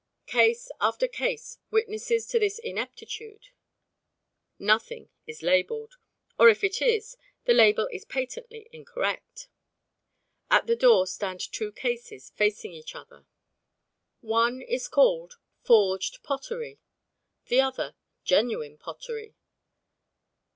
Case after case witnesses to this ineptitude. Nothing is labelled; or if it is, the label is patently incorrect. At the door stand two cases facing each other. One is called "Forged Pottery"; the other, "Genuine Pottery."